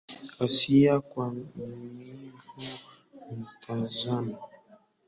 Hisia kwamivu mtazamo inayopatikana kwa kujifunza ambayo